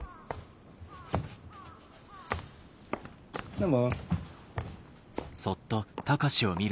どうも。